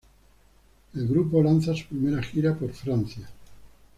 El grupo lanza su primera gira por Francia.